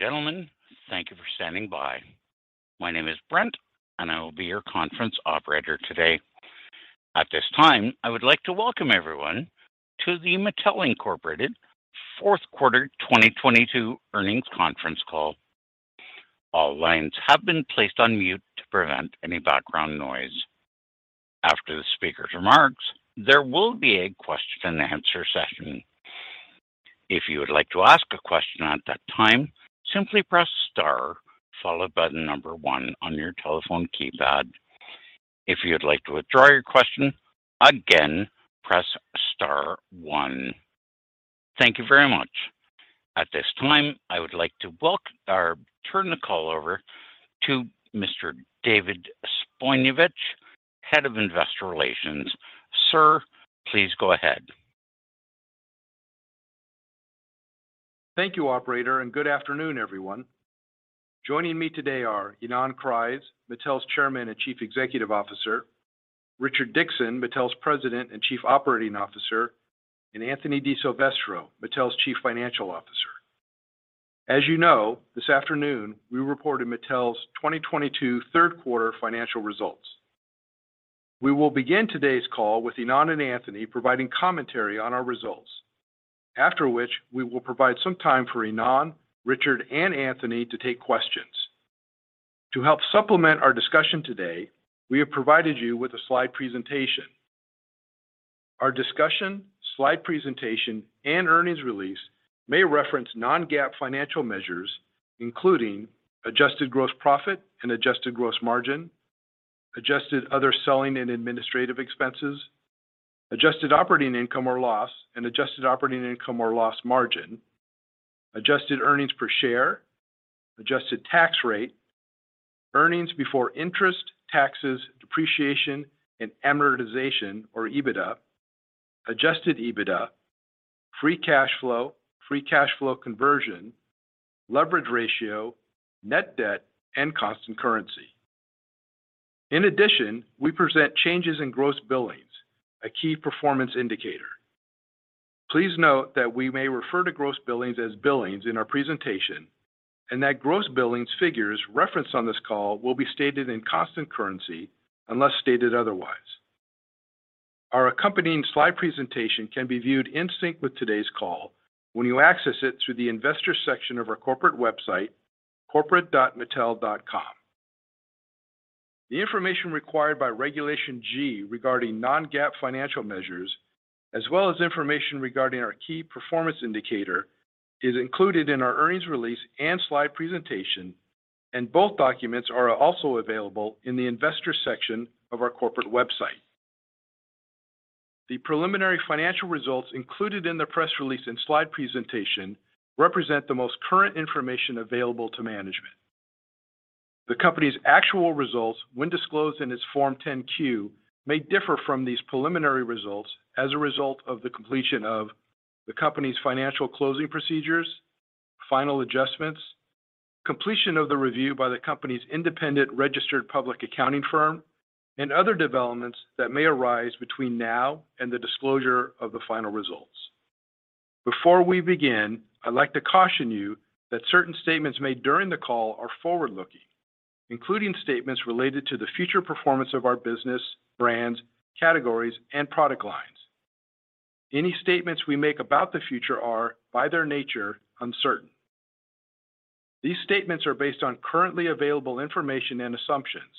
Ladies and gentlemen, thank you for standing by. My name is Brent, and I will be your conference operator today. At this time, I would like to welcome everyone to the Mattel, Inc. fourth quarter 2022 earnings conference call. All lines have been placed on mute to prevent any background noise. After the speaker's remarks, there will be a question-and-answer session. If you would like to ask a question at that time, simply press star followed by the number one on your telephone keypad. If you'd like to withdraw your question, again, press star one. Thank you very much. At this time, I would like to turn the call over to Mr. David Zbojniewicz, Head of Investor Relations. Sir, please go ahead. Thank you, operator, and good afternoon, everyone. Joining me today are Ynon Kreiz, Mattel's Chairman and Chief Executive Officer, Richard Dickson, Mattel's President and Chief Operating Officer, and Anthony DiSilvestro, Mattel's Chief Financial Officer. As you know, this afternoon, we reported Mattel's 2022 third quarter financial results. We will begin today's call with Ynon and Anthony providing commentary on our results. After which, we will provide some time for Ynon, Richard, and Anthony to take questions. To help supplement our discussion today, we have provided you with a slide presentation. Our discussion, slide presentation, and earnings release may reference non-GAAP financial measures, including adjusted gross profit and adjusted gross margin, adjusted other selling and administrative expenses, adjusted operating income or loss and adjusted operating income or loss margin, adjusted earnings per share, adjusted tax rate, earnings before interest, taxes, depreciation, and amortization or EBITDA, adjusted EBITDA, free cash flow, free cash flow conversion, leverage ratio, net debt, and constant currency. In addition, we present changes in gross billings, a key performance indicator. Please note that we may refer to gross billings as billings in our presentation, and that gross billings figures referenced on this call will be stated in constant currency unless stated otherwise. Our accompanying slide presentation can be viewed in sync with today's call when you access it through the investor section of our corporate website, corporate.mattel.com. The information required by Regulation G regarding non-GAAP financial measures, as well as information regarding our key performance indicator, is included in our earnings release and slide presentation, and both documents are also available in the investor section of our corporate website. The preliminary financial results included in the press release and slide presentation represent the most current information available to management. The company's actual results, when disclosed in its Form 10-Q, may differ from these preliminary results as a result of the completion of the company's financial closing procedures, final adjustments, completion of the review by the company's independent registered public accounting firm, and other developments that may arise between now and the disclosure of the final results. Before we begin, I'd like to caution you that certain statements made during the call are forward-looking, including statements related to the future performance of our business, brands, categories, and product lines. Any statements we make about the future are, by their nature, uncertain. These statements are based on currently available information and assumptions,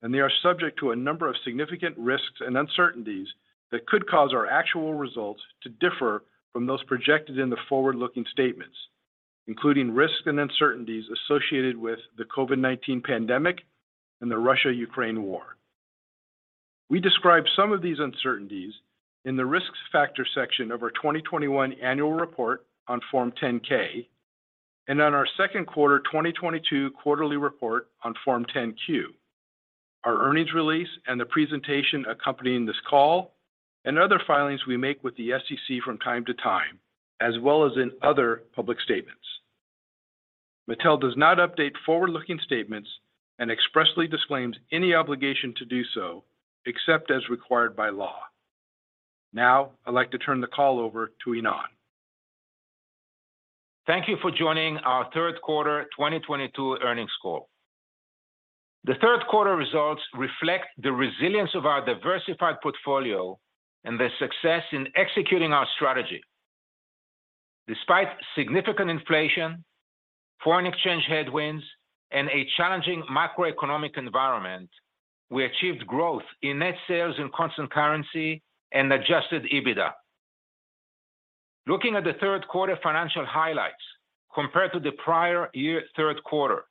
and they are subject to a number of significant risks and uncertainties that could cause our actual results to differ from those projected in the forward-looking statements, including risks and uncertainties associated with the COVID-19 pandemic and the Russia-Ukraine war. We describe some of these uncertainties in the Risk Factors section of our 2021 annual report on Form 10-K and on our second quarter 2022 quarterly report on Form 10-Q, our earnings release and the presentation accompanying this call, and other filings we make with the SEC from time to time, as well as in other public statements. Mattel does not update forward-looking statements and expressly disclaims any obligation to do so, except as required by law. Now, I'd like to turn the call over to Ynon. Thank you for joining our third quarter 2022 earnings call. The third quarter results reflect the resilience of our diversified portfolio and the success in executing our strategy. Despite significant inflation, foreign exchange headwinds, and a challenging macroeconomic environment, we achieved growth in net sales in constant currency and adjusted EBITDA. Looking at the third quarter financial highlights compared to the prior year third quarter,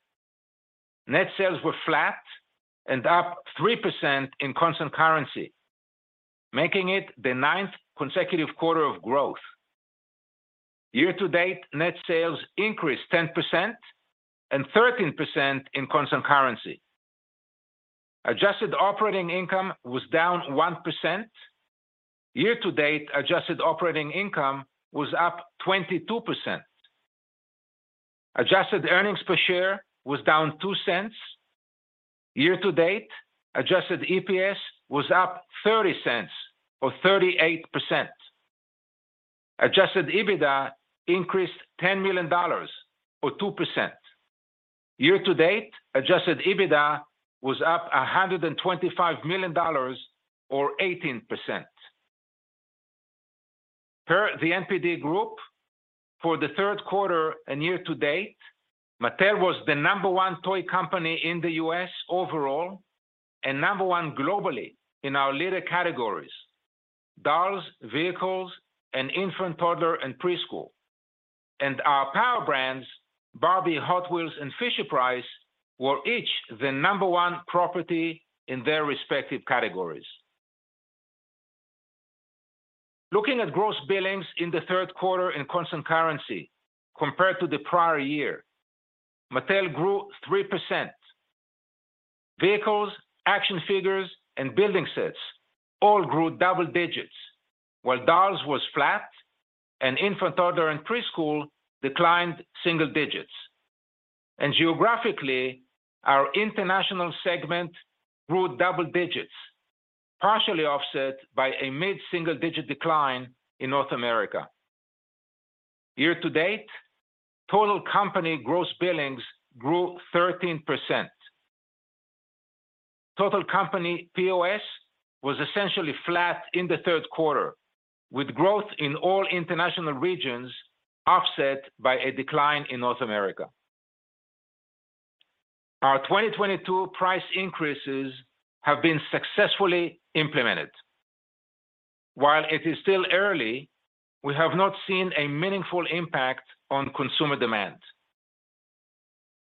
net sales were flat and up 3% in constant currency, making it the ninth consecutive quarter of growth. Year to date, net sales increased 10% and 13% in constant currency. Adjusted operating income was down 1%. Year to date, adjusted operating income was up 22%. Adjusted earnings per share was down $0.02. Year to date, adjusted EPS was up $0.30 or 38%. Adjusted EBITDA increased $10 million or 2%. Year to date, adjusted EBITDA was up $125 million or 18%. Per The NPD Group, for the third quarter and year to date, Mattel was the number one toy company in the U.S. overall, and number one globally in our leader categories, dolls, vehicles, and infant, toddler, and preschool. Our power brands, Barbie, Hot Wheels, and Fisher-Price, were each the number one property in their respective categories. Looking at gross billings in the third quarter in constant currency compared to the prior year, Mattel grew 3%. Vehicles, action figures, and building sets all grew double digits. While dolls was flat, and infant, toddler, and preschool declined single digits. Geographically, our international segment grew double digits, partially offset by a mid-single digit decline in North America. Year to date, total company gross billings grew 13%. Total company POS was essentially flat in the third quarter, with growth in all international regions offset by a decline in North America. Our 2022 price increases have been successfully implemented. While it is still early, we have not seen a meaningful impact on consumer demand.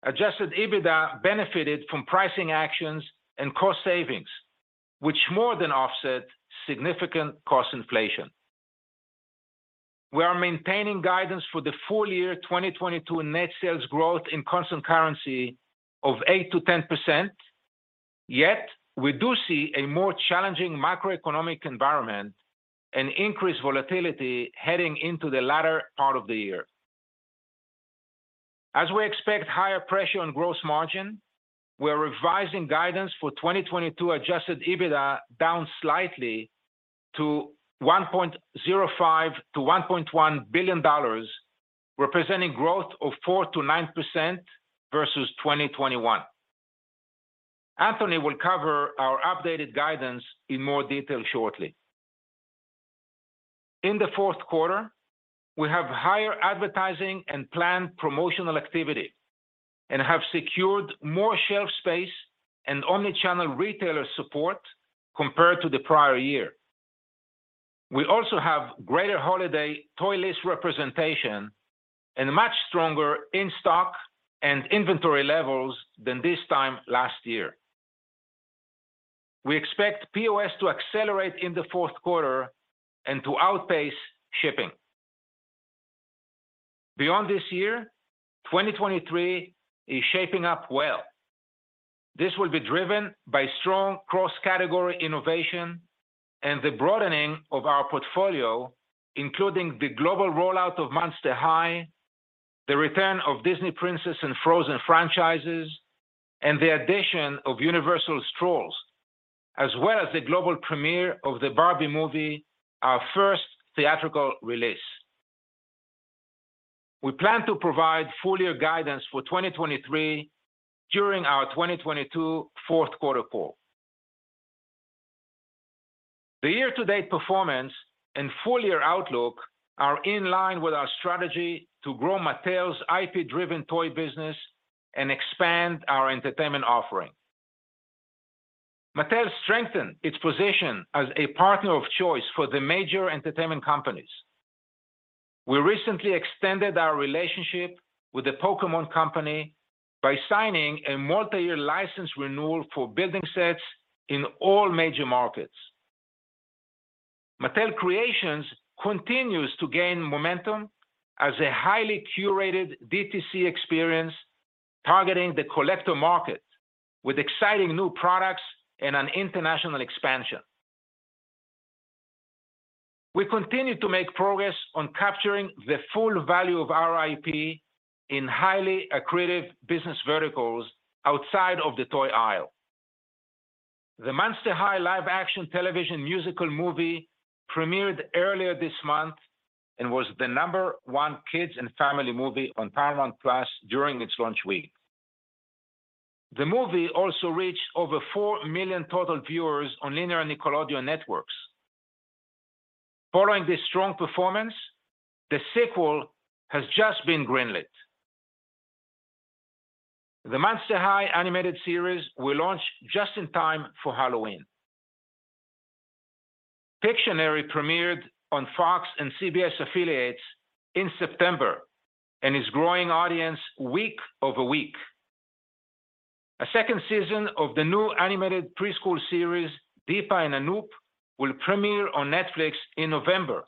Adjusted EBITDA benefited from pricing actions and cost savings, which more than offset significant cost inflation. We are maintaining guidance for the full year 2022 net sales growth in constant currency of 8%-10%, yet we do see a more challenging macroeconomic environment and increased volatility heading into the latter part of the year. As we expect higher pressure on gross margin, we're revising guidance for 2022 adjusted EBITDA down slightly to $1.05 billion-$1.1 billion, representing growth of 4%-9% versus 2021. Anthony will cover our updated guidance in more detail shortly. In the fourth quarter, we have higher advertising and planned promotional activity, and have secured more shelf space and omni-channel retailer support compared to the prior year. We also have greater holiday toy list representation and much stronger in-stock and inventory levels than this time last year. We expect POS to accelerate in the fourth quarter and to outpace shipping. Beyond this year, 2023 is shaping up well. This will be driven by strong cross-category innovation and the broadening of our portfolio, including the global rollout of Monster High, the return of Disney Princess and Frozen franchises, and the addition of Universal Trolls, as well as the global premiere of the Barbie movie, our first theatrical release. We plan to provide full year guidance for 2023 during our 2022 fourth quarter call. The year-to-date performance and full year outlook are in line with our strategy to grow Mattel's IP-driven toy business and expand our entertainment offering. Mattel strengthened its position as a partner of choice for the major entertainment companies. We recently extended our relationship with the Pokémon Company by signing a multi-year license renewal for building sets in all major markets. Mattel Creations continues to gain momentum as a highly curated DTC experience targeting the collector market with exciting new products and an international expansion. We continue to make progress on capturing the full value of our IP in highly accretive business verticals outside of the toy aisle. The Monster High live action television musical movie premiered earlier this month and was the number one kids and family movie on Paramount+ during its launch week. The movie also reached over four million total viewers on linear Nickelodeon networks. Following this strong performance, the sequel has just been greenlit. The Monster High animated series will launch just in time for Halloween. Pictionary premiered on Fox and CBS affiliates in September and is growing audience week-over-week. A second season of the new animated preschool series, Deepa & Anoop, will premiere on Netflix in November,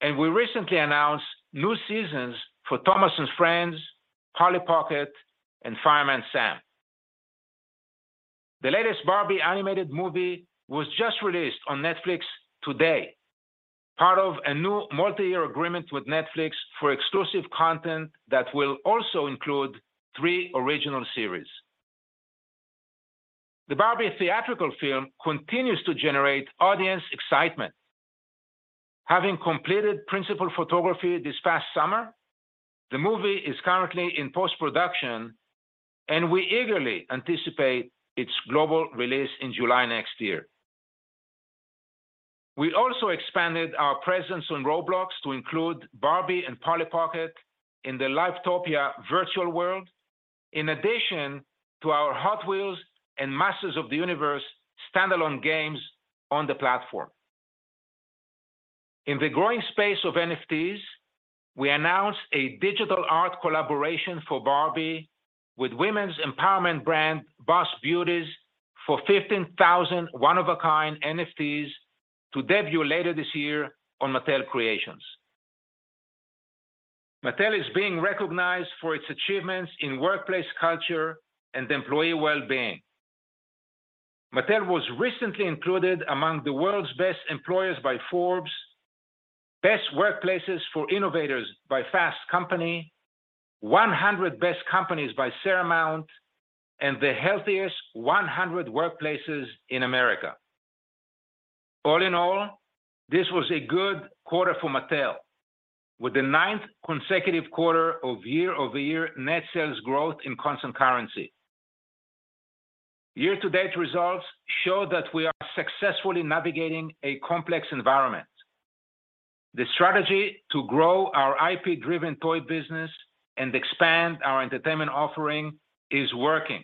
and we recently announced new seasons for Thomas & Friends, Polly Pocket, and Fireman Sam. The latest Barbie animated movie was just released on Netflix today. Part of a new multi-year agreement with Netflix for exclusive content that will also include three original series. The Barbie theatrical film continues to generate audience excitement. Having completed principal photography this past summer, the movie is currently in post-production, and we eagerly anticipate its global release in July next year. We also expanded our presence on Roblox to include Barbie and Polly Pocket in the Livetopia virtual world, in addition to our Hot Wheels and Masters of the Universe standalone games on the platform. In the growing space of NFTs, we announced a digital art collaboration for Barbie with women's empowerment brand Boss Beauties for 15,000 one-of-a-kind NFTs to debut later this year on Mattel Creations. Mattel is being recognized for its achievements in workplace culture and employee well-being. Mattel was recently included among the world's best employers by Forbes, best workplaces for innovators by Fast Company, 100 best companies by Seramount, and the healthiest 100 workplaces in America. All in all, this was a good quarter for Mattel, with the ninth consecutive quarter of year-over-year net sales growth in constant currency. Year-to-date results show that we are successfully navigating a complex environment. The strategy to grow our IP-driven toy business and expand our entertainment offering is working.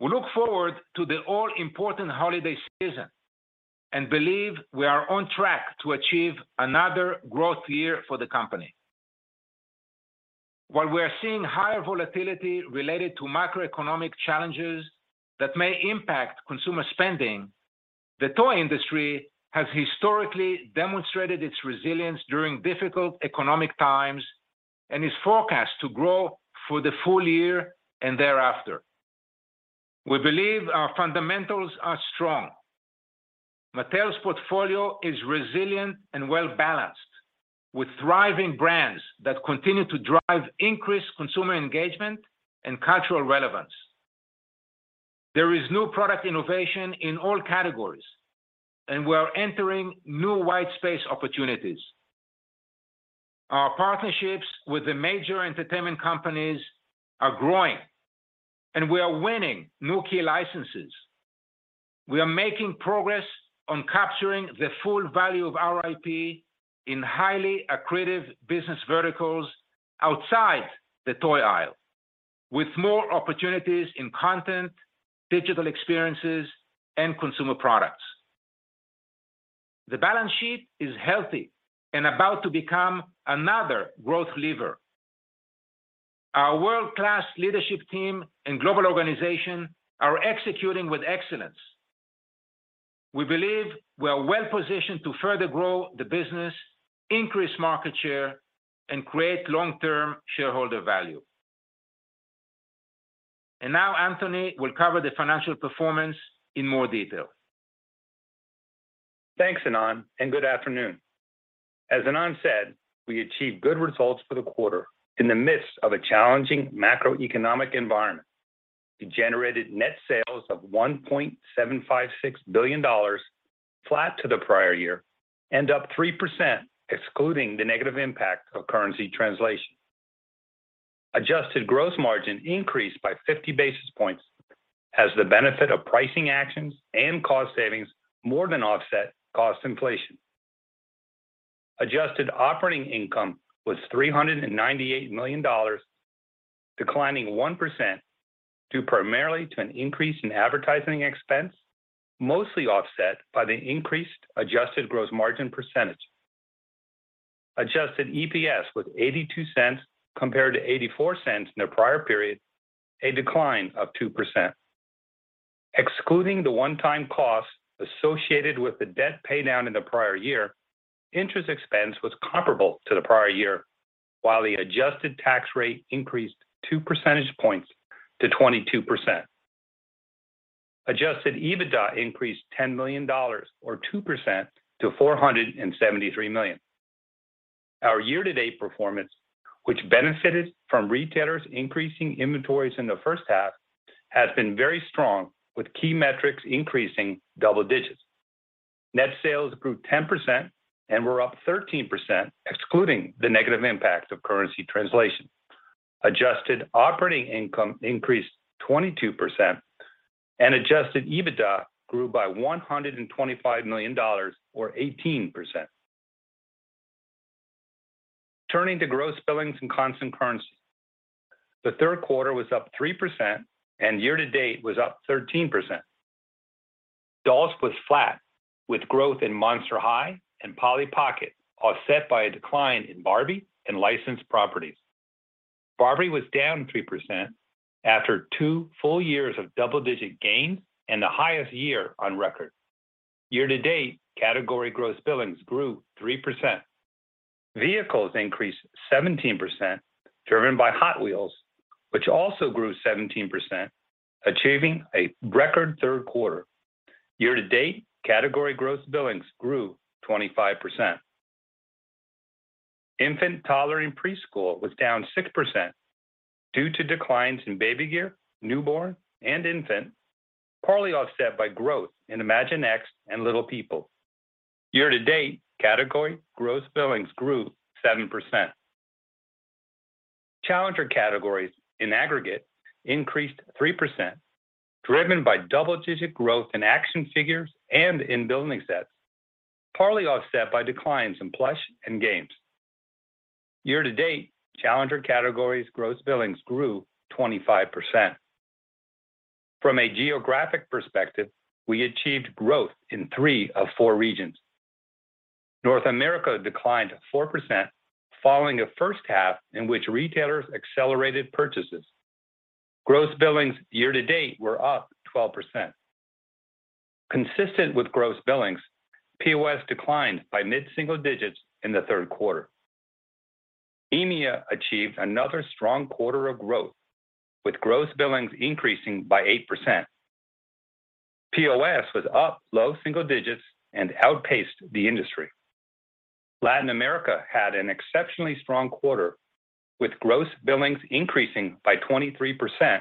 We look forward to the all-important holiday season and believe we are on track to achieve another growth year for the company. While we are seeing higher volatility related to macroeconomic challenges that may impact consumer spending, the toy industry has historically demonstrated its resilience during difficult economic times and is forecast to grow for the full year and thereafter. We believe our fundamentals are strong. Mattel's portfolio is resilient and well-balanced, with thriving brands that continue to drive increased consumer engagement and cultural relevance. There is new product innovation in all categories, and we are entering new white space opportunities. Our partnerships with the major entertainment companies are growing, and we are winning new key licenses. We are making progress on capturing the full value of our IP in highly accretive business verticals outside the toy aisle, with more opportunities in content, digital experiences, and consumer products. The balance sheet is healthy and about to become another growth lever. Our world-class leadership team and global organization are executing with excellence. We believe we are well positioned to further grow the business, increase market share, and create long-term shareholder value. Now Anthony will cover the financial performance in more detail. Thanks, Ynon, and good afternoon. As Ynon said, we achieved good results for the quarter in the midst of a challenging macroeconomic environment. We generated net sales of $1.756 billion, flat to the prior year, and up 3% excluding the negative impact of currency translation. Adjusted gross margin increased by 50 basis points as the benefit of pricing actions and cost savings more than offset cost inflation. Adjusted operating income was $398 million, declining 1% due primarily to an increase in advertising expense, mostly offset by the increased adjusted gross margin percentage. Adjusted EPS was $0.82 compared to $0.84 in the prior period, a decline of 2%. Excluding the one-time cost associated with the debt paydown in the prior year, interest expense was comparable to the prior year, while the adjusted tax rate increased two percentage points to 22%. Adjusted EBITDA increased $10 million or 2% to $473 million. Our year-to-date performance, which benefited from retailers increasing inventories in the first half, has been very strong, with key metrics increasing double digits. Net sales grew 10% and were up 13% excluding the negative impact of currency translation. Adjusted operating income increased 22% and adjusted EBITDA grew by $125 million or 18%. Turning to gross billings in constant currency, the third quarter was up 3% and year to date was up 13%. Dolls was flat with growth in Monster High and Polly Pocket, offset by a decline in Barbie and licensed properties. Barbie was down 3% after two full years of double-digit gains and the highest year on record. Year to date, category gross billings grew 3%. Vehicles increased 17%, driven by Hot Wheels, which also grew 17%, achieving a record third quarter. Year to date, category gross billings grew 25%. Infant, toddler, and preschool was down 6% due to declines in baby gear, newborn, and infant, partly offset by growth in Imaginext and Little People. Year to date, category gross billings grew 7%. Challenger categories in aggregate increased 3%, driven by double-digit growth in action figures and in building sets, partly offset by declines in plush and games. Year to date, Challenger categories gross billings grew 25%. From a geographic perspective, we achieved growth in three of four regions. North America declined 4% following a first half in which retailers accelerated purchases. Gross billings year to date were up 12%. Consistent with gross billings, POS declined by mid-single digits in the third quarter. EMEA achieved another strong quarter of growth, with gross billings increasing by 8%. POS was up low single digits and outpaced the industry. Latin America had an exceptionally strong quarter, with gross billings increasing by 23%,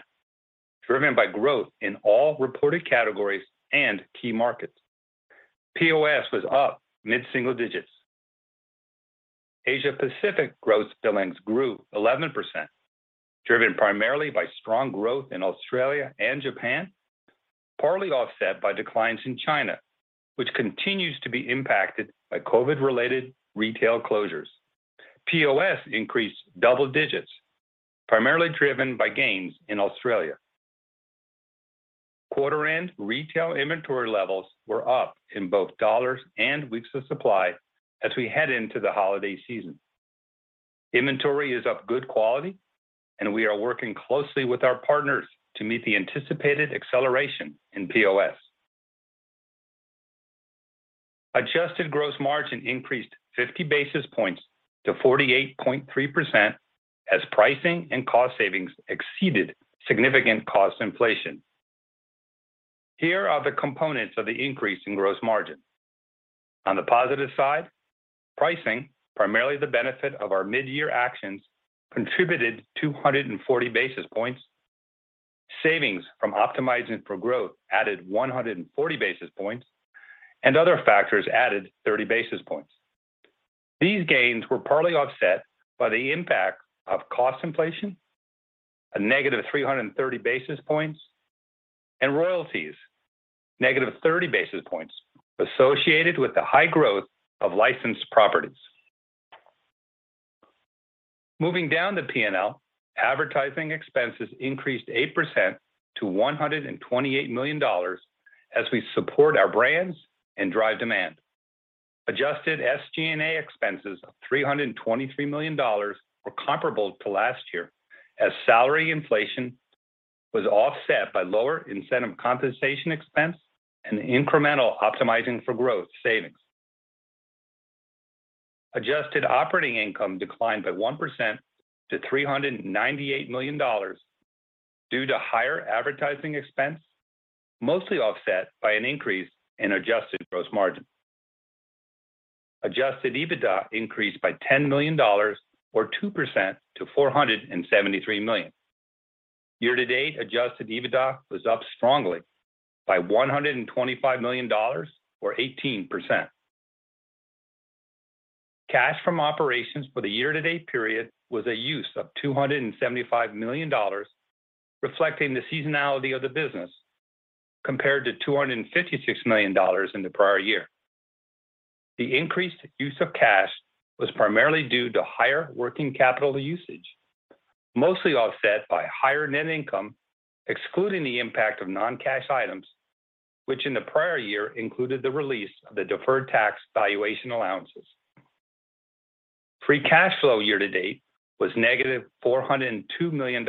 driven by growth in all reported categories and key markets. POS was up mid-single digits. Asia-Pacific gross billings grew 11%, driven primarily by strong growth in Australia and Japan, partly offset by declines in China, which continues to be impacted by COVID-related retail closures. POS increased double digits, primarily driven by gains in Australia. Quarter end retail inventory levels were up in both dollars and weeks of supply as we head into the holiday season. Inventory is of good quality and we are working closely with our partners to meet the anticipated acceleration in POS. Adjusted gross margin increased 50 basis points to 48.3% as pricing and cost savings exceeded significant cost inflation. Here are the components of the increase in gross margin. On the positive side, pricing, primarily the benefit of our mid-year actions, contributed 240 basis points. Savings from optimizing for growth added 140 basis points, and other factors added 30 basis points. These gains were partly offset by the impact of cost inflation, a negative 330 basis points, and royalties, negative 30 basis points, associated with the high growth of licensed properties. Moving down to P&L, advertising expenses increased 8% to $128 million as we support our brands and drive demand. Adjusted SG&A expenses of $323 million were comparable to last year as salary inflation was offset by lower incentive compensation expense and incremental Optimizing for Growth savings. Adjusted operating income declined by 1% to $398 million due to higher advertising expense, mostly offset by an increase in adjusted gross margin. Adjusted EBITDA increased by $10 million or 2% to $473 million. Year-to-date, adjusted EBITDA was up strongly by $125 million or 18%. Cash from operations for the year-to-date period was a use of $275 million, reflecting the seasonality of the business compared to $256 million in the prior year. The increased use of cash was primarily due to higher working capital usage, mostly offset by higher net income, excluding the impact of non-cash items, which in the prior year included the release of the deferred tax valuation allowances. Free cash flow year to date was negative $402 million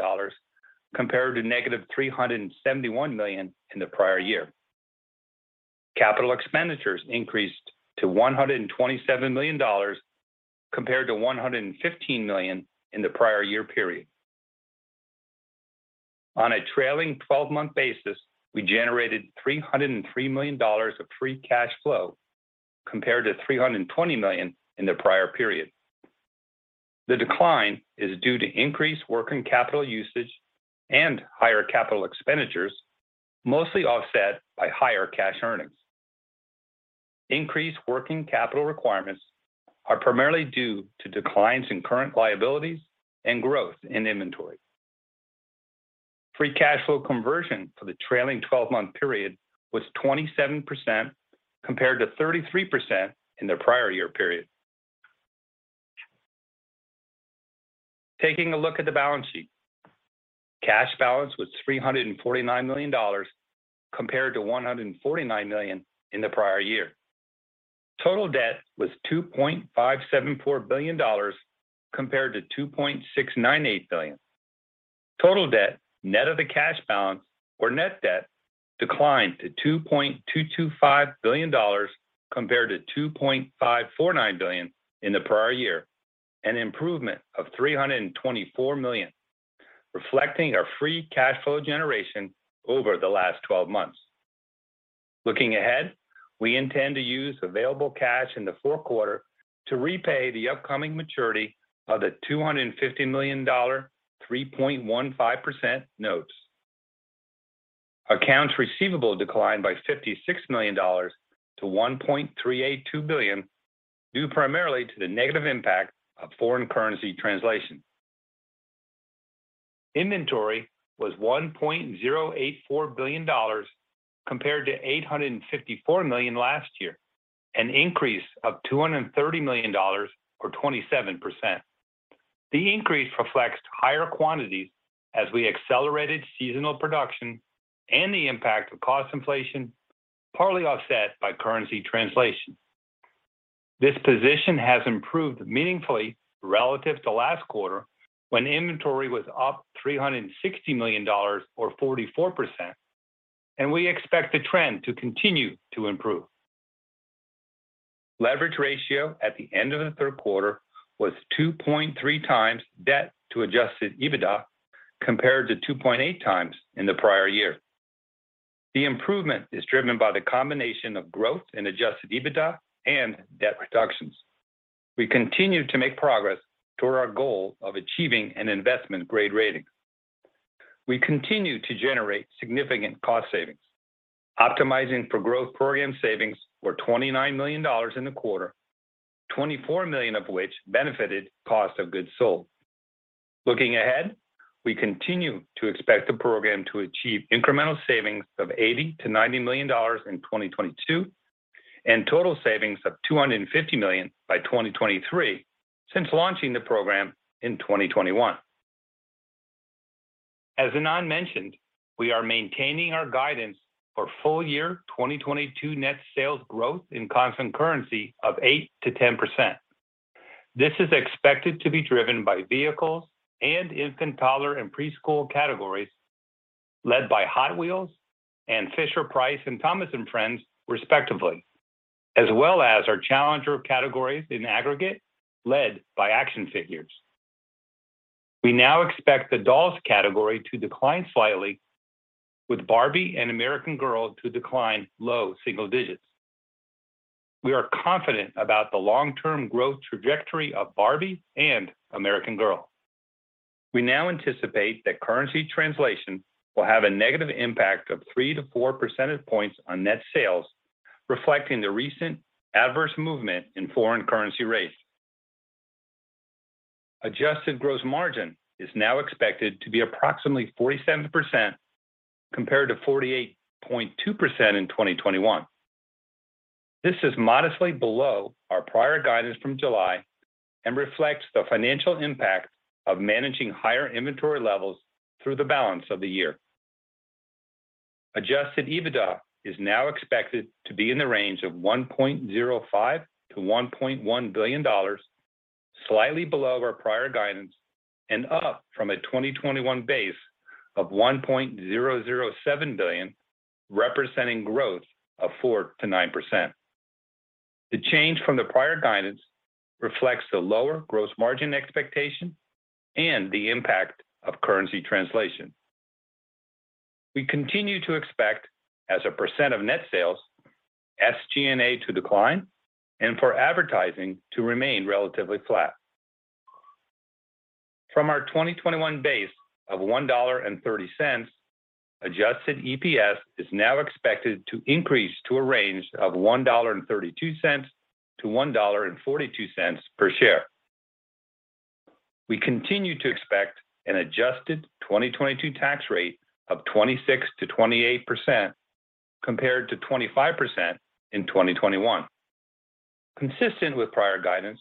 compared to negative $371 million in the prior year. Capital expenditures increased to $127 million compared to $115 million in the prior year period. On a trailing twelve-month basis, we generated $303 million of free cash flow compared to $320 million in the prior period. The decline is due to increased working capital usage and higher capital expenditures, mostly offset by higher cash earnings. Increased working capital requirements are primarily due to declines in current liabilities and growth in inventory. Free cash flow conversion for the trailing twelve-month period was 27% compared to 33% in the prior year period. Taking a look at the balance sheet, cash balance was $349 million compared to $149 million in the prior year. Total debt was $2.574 billion compared to $2.698 billion. Total debt, net of the cash balance or net debt declined to $2.225 billion compared to $2.549 billion in the prior year, an improvement of $324 million, reflecting our free cash flow generation over the last twelve months. Looking ahead, we intend to use available cash in the fourth quarter to repay the upcoming maturity of the $250 million, 3.15% notes. Accounts receivable declined by $56 million to $1.382 billion, due primarily to the negative impact of foreign currency translation. Inventory was $1.084 billion compared to $854 million last year, an increase of $230 million or 27%. The increase reflects higher quantities as we accelerated seasonal production and the impact of cost inflation, partly offset by currency translation. This position has improved meaningfully relative to last quarter when inventory was up $360 million or 44%, and we expect the trend to continue to improve. Leverage ratio at the end of the third quarter was 2.3x debt to adjusted EBITDA compared to 2.8x in the prior year. The improvement is driven by the combination of growth in adjusted EBITDA and debt reductions. We continue to make progress toward our goal of achieving an investment-grade rating. We continue to generate significant cost savings. Optimizing for Growth program savings were $29 million in the quarter, $24 million of which benefited cost of goods sold. Looking ahead, we continue to expect the program to achieve incremental savings of $80-$90 million in 2022, and total savings of $250 million by 2023 since launching the program in 2021. As Ynon mentioned, we are maintaining our guidance for full year 2022 net sales growth in constant currency of 8%-10%. This is expected to be driven by vehicles and infant, toddler and preschool categories, led by Hot Wheels and Fisher-Price and Thomas & Friends, respectively, as well as our challenger categories in aggregate, led by action figures. We now expect the dolls category to decline slightly with Barbie and American Girl to decline low single digits. We are confident about the long-term growth trajectory of Barbie and American Girl. We now anticipate that currency translation will have a negative impact of 3-4 percentage points on net sales, reflecting the recent adverse movement in foreign currency rates. Adjusted gross margin is now expected to be approximately 47% compared to 48.2% in 2021. This is modestly below our prior guidance from July and reflects the financial impact of managing higher inventory levels through the balance of the year. Adjusted EBITDA is now expected to be in the range of $1.05 billion-$1.1 billion, slightly below our prior guidance and up from a 2021 base of $1.007 billion, representing growth of 4%-9%. The change from the prior guidance reflects the lower gross margin expectation and the impact of currency translation. We continue to expect as a percent of net sales, SG&A to decline and for advertising to remain relatively flat. From our 2021 base of $1.30, adjusted EPS is now expected to increase to a range of $1.32-$1.42 per share. We continue to expect an adjusted 2022 tax rate of 26%-28% compared to 25% in 2021. Consistent with prior guidance,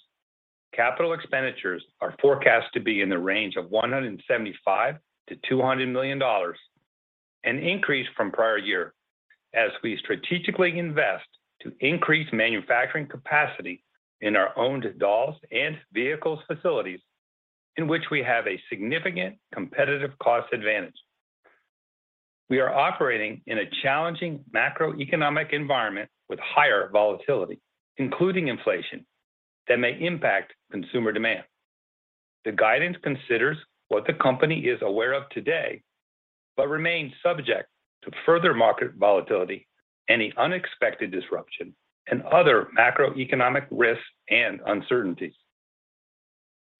capital expenditures are forecast to be in the range of $175 million-$200 million, an increase from prior year as we strategically invest to increase manufacturing capacity in our owned dolls and vehicles facilities in which we have a significant competitive cost advantage. We are operating in a challenging macroeconomic environment with higher volatility, including inflation that may impact consumer demand. The guidance considers what the company is aware of today, but remains subject to further market volatility, any unexpected disruption, and other macroeconomic risks and uncertainties.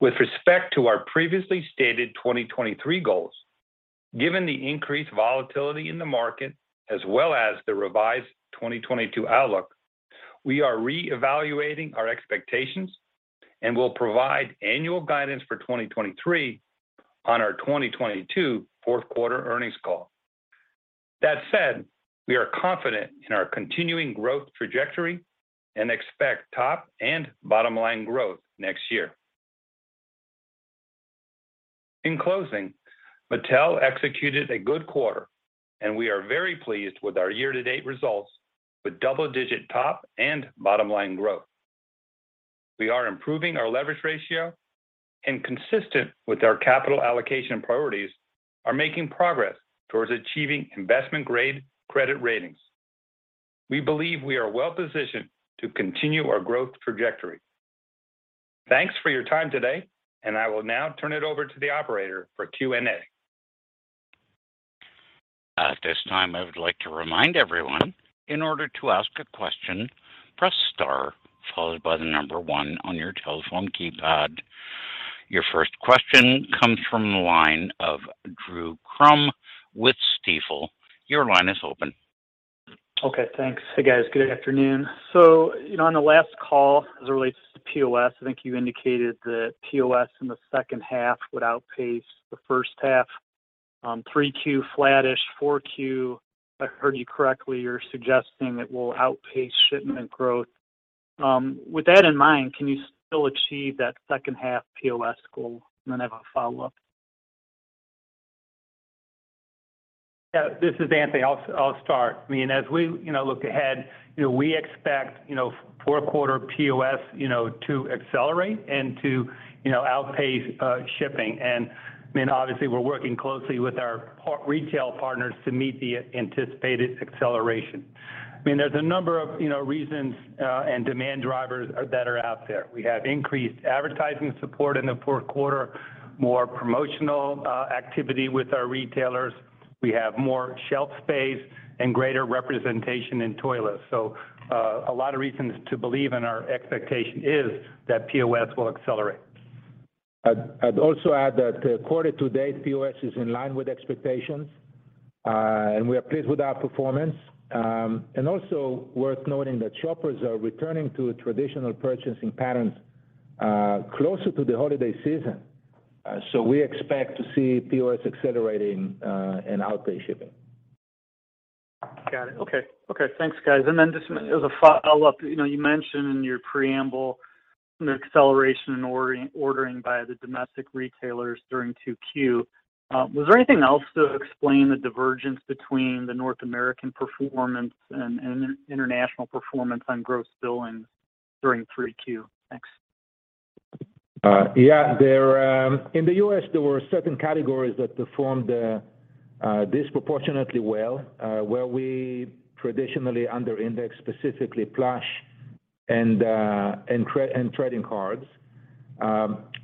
With respect to our previously stated 2023 goals, given the increased volatility in the market as well as the revised 2022 outlook, we are reevaluating our expectations and will provide annual guidance for 2023 on our 2022 fourth quarter earnings call. That said, we are confident in our continuing growth trajectory and expect top and bottom line growth next year. In closing, Mattel executed a good quarter and we are very pleased with our year-to-date results with double-digit top and bottom line growth. We are improving our leverage ratio and consistent with our capital allocation priorities are making progress towards achieving investment-grade credit ratings. We believe we are well-positioned to continue our growth trajectory. Thanks for your time today, and I will now turn it over to the operator for Q&A. At this time, I would like to remind everyone in order to ask a question, press star followed by the number one on your telephone keypad. Your first question comes from the line of Drew Crum with Stifel. Your line is open. Okay, thanks. Hey, guys. Good afternoon. You know, on the last call, as it relates to POS, I think you indicated that POS in the second half would outpace the first half, 3Q flat-ish, 4Q, if I heard you correctly, you're suggesting it will outpace shipment growth. With that in mind, can you still achieve that second half POS goal? I have a follow-up. Yeah, this is Anthony. I'll start. I mean, as we, you know, look ahead, you know, we expect, you know, fourth quarter POS, you know, to accelerate and to, you know, outpace, shipping. I mean, obviously, we're working closely with our retail partners to meet the anticipated acceleration. I mean, there's a number of, you know, reasons, and demand drivers that are out there. We have increased advertising support in the fourth quarter, more promotional activity with our retailers. We have more shelf space and greater representation in toy lists. A lot of reasons to believe, and our expectation is that POS will accelerate. I'd also add that quarter to date, POS is in line with expectations, and we are pleased with our performance. Also worth noting that shoppers are returning to traditional purchasing patterns, closer to the holiday season. We expect to see POS accelerating, and outpace shipments. Got it. Okay. Thanks, guys. Just as a follow-up, you know, you mentioned in your preamble an acceleration in ordering by the domestic retailers during 2Q. Was there anything else to explain the divergence between the North American performance and international performance on gross billings during 3Q? Thanks. Yeah. There in the U.S., there were certain categories that performed disproportionately well, where we traditionally underindex specifically plush and trading cards.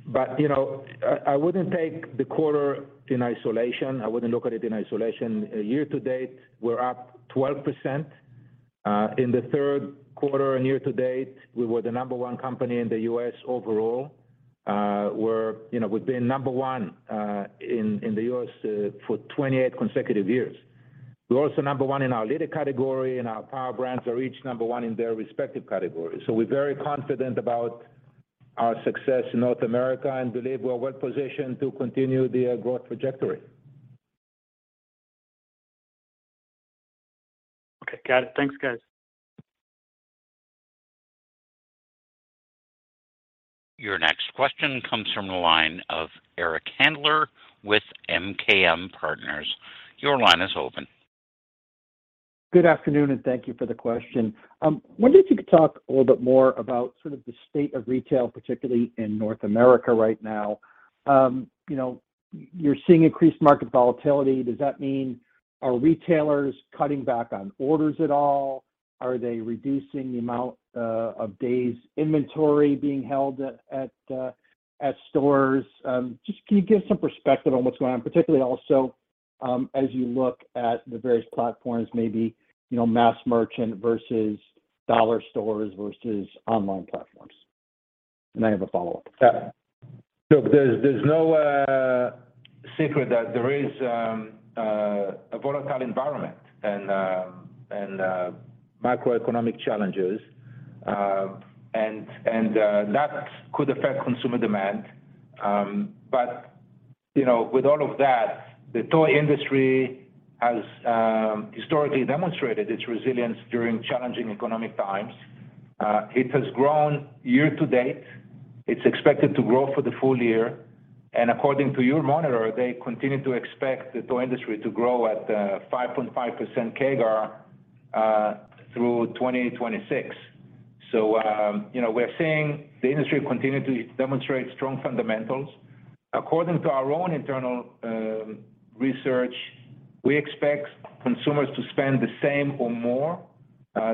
But you know, I wouldn't take the quarter in isolation. I wouldn't look at it in isolation. Year to date, we're up 12%. In the third quarter and year to date, we were the number one company in the U.S. overall. You know, we've been number one in the U.S. for 28 consecutive years. We're also number one in our leader category, and our power brands are each number one in their respective categories. We're very confident about our success in North America and believe we are well-positioned to continue the growth trajectory. Okay. Got it. Thanks, guys. Your next question comes from the line of Eric Handler with MKM Partners. Your line is open. Good afternoon, and thank you for the question. Wondered if you could talk a little bit more about sort of the state of retail, particularly in North America right now. You know, you're seeing increased market volatility. Does that mean are retailers cutting back on orders at all? Are they reducing the amount of days inventory being held at stores? Just can you give some perspective on what's going on, particularly also as you look at the various platforms, maybe, you know, mass merchant versus dollar stores versus online platforms? I have a follow-up. Yeah. So there's no secret that there is a volatile environment and macroeconomic challenges that could affect consumer demand. You know, with all of that, the toy industry has historically demonstrated its resilience during challenging economic times. It has grown year to date. It's expected to grow for the full year. According to NPD, they continue to expect the toy industry to grow at 5.5% CAGR through 2026. You know, we're seeing the industry continue to demonstrate strong fundamentals. According to our own internal research, we expect consumers to spend the same or more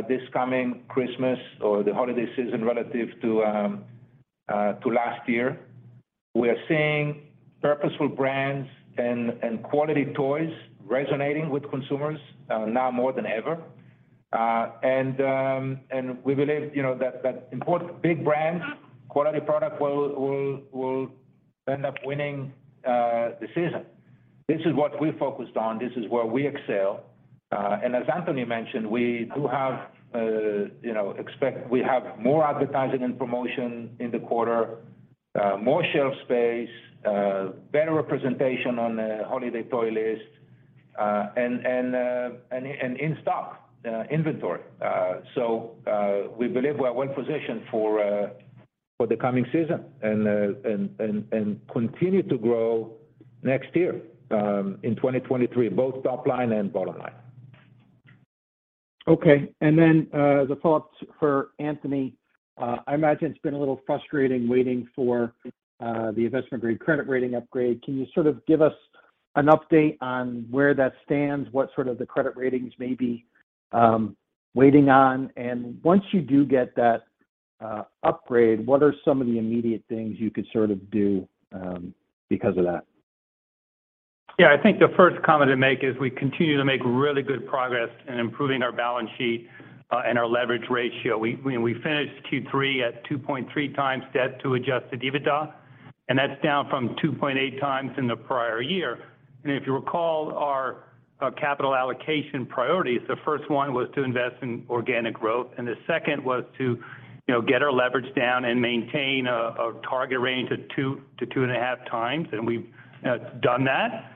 this coming Christmas or the holiday season relative to last year. We are seeing purposeful brands and quality toys resonating with consumers, now more than ever. We believe, you know, that important big brands, quality product will end up winning the season. This is what we're focused on. This is where we excel. As Anthony mentioned, we do have, you know, we have more advertising and promotion in the quarter, more shelf space, better representation on the holiday toy list, and in-stock inventory. We believe we are well-positioned for the coming season and continue to grow next year, in 2023, both top line and bottom line. Okay. The follow-up for Anthony. I imagine it's been a little frustrating waiting for the investment grade credit rating upgrade. Can you sort of give us an update on where that stands? What sort of the credit ratings may be waiting on? Once you do get that upgrade, what are some of the immediate things you could sort of do because of that? Yeah, I think the first comment to make is we continue to make really good progress in improving our balance sheet and our leverage ratio. We finished Q3 at 2.3x debt to adjusted EBITDA, and that's down from 2.8x in the prior year. If you recall our capital allocation priorities, the first one was to invest in organic growth, and the second was to, you know, get our leverage down and maintain a target range of 2-2.5x. We've done that.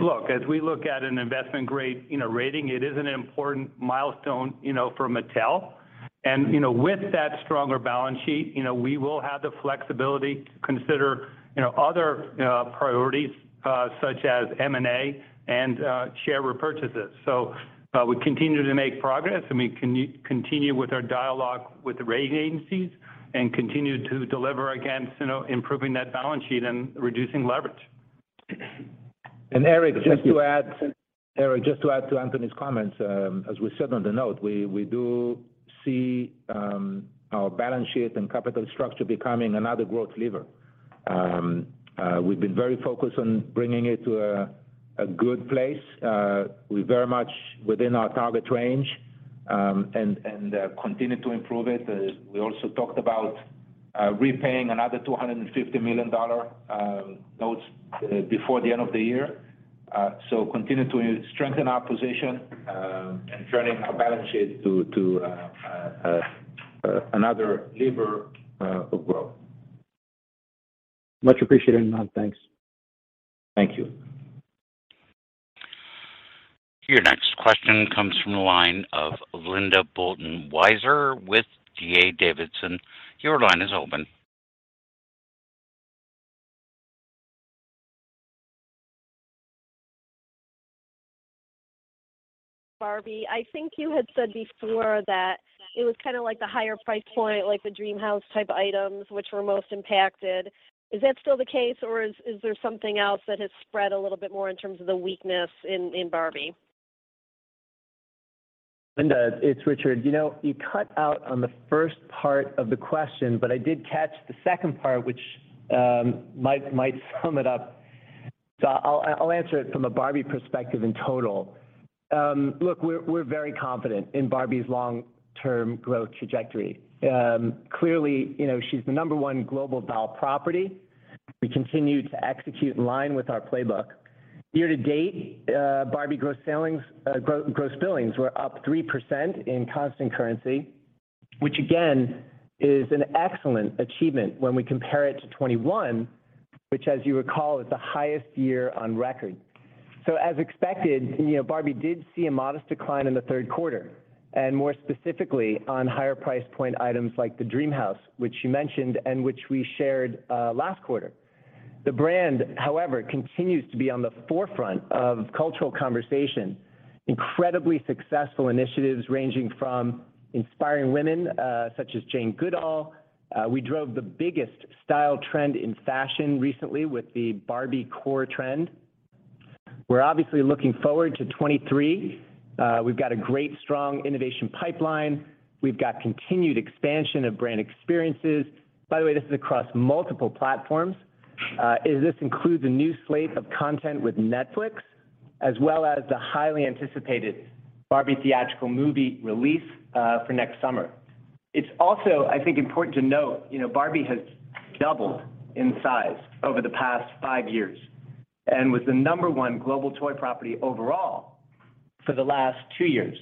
Look, as we look at an investment grade, you know, rating, it is an important milestone, you know, for Mattel. With that stronger balance sheet, you know, we will have the flexibility to consider, you know, other priorities such as M&A and share repurchases. We continue to make progress, and we continue with our dialogue with the rating agencies and continue to deliver against, you know, improving that balance sheet and reducing leverage. Eric, just to add to Anthony's comments, as we said on the note, we do see our balance sheet and capital structure becoming another growth lever. We've been very focused on bringing it to a good place. We're very much within our target range and continue to improve it. We also talked about repaying another $250 million notes before the end of the year. Continue to strengthen our position and turning our balance sheet into another lever of growth. Much appreciated, Ynon Kreiz. Thanks. Thank you. Your next question comes from the line of Linda Bolton Weiser with D.A. Davidson. Your line is open. Barbie, I think you had said before that it was kind of like the higher price point, like the Dreamhouse type items which were most impacted. Is that still the case, or is there something else that has spread a little bit more in terms of the weakness in Barbie? Linda, it's Richard. You know, you cut out on the first part of the question, but I did catch the second part, which might sum it up. I'll answer it from a Barbie perspective in total. Look, we're very confident in Barbie's long-term growth trajectory. Clearly, you know, she's the number one global doll property. We continue to execute in line with our playbook. Year to date, Barbie gross billings were up 3% in constant currency, which again is an excellent achievement when we compare it to 2021, which, as you recall, is the highest year on record. As expected, you know, Barbie did see a modest decline in the third quarter, and more specifically on higher price point items like the Dreamhouse, which you mentioned and which we shared last quarter. The brand, however, continues to be on the forefront of cultural conversation. Incredibly successful initiatives ranging from inspiring women, such as Jane Goodall. We drove the biggest style trend in fashion recently with the Barbie core trend. We're obviously looking forward to 2023. We've got a great strong innovation pipeline. We've got continued expansion of brand experiences. By the way, this is across multiple platforms. This includes a new slate of content with Netflix, as well as the highly anticipated Barbie theatrical movie release for next summer. It's also, I think, important to note, you know, Barbie has doubled in size over the past five years and was the number one global toy property overall for the last two years,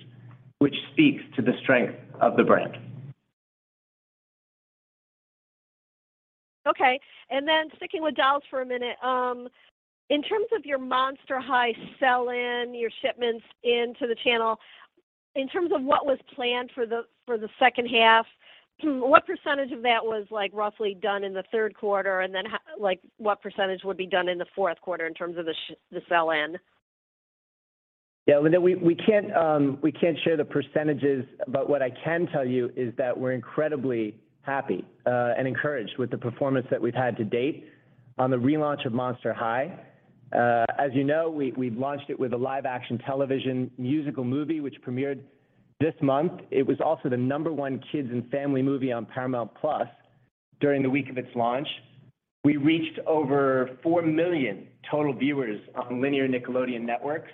which speaks to the strength of the brand. Okay, sticking with dolls for a minute. In terms of your Monster High sell-in, your shipments into the channel, in terms of what was planned for the second half, what percentage of that was like roughly done in the third quarter, and then like what percentage would be done in the fourth quarter in terms of the sell-in? Yeah, Linda, we can't share the percentages, but what I can tell you is that we're incredibly happy and encouraged with the performance that we've had to date on the relaunch of Monster High. As you know, we've launched it with a live action television musical movie which premiered this month. It was also the number one kids and family movie on Paramount+ during the week of its launch. We reached over four million total viewers on linear Nickelodeon networks.